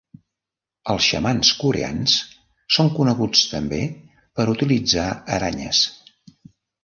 Els xamans coreans són coneguts també per utilitzar aranyes.